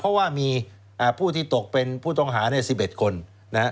เพราะว่ามีผู้ที่ตกเป็นผู้ท้องหาเนี่ย๑๑คน